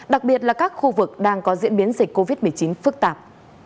đặc biệt là các khu vực đang có diễn biến dịch covid một mươi chín phức tạp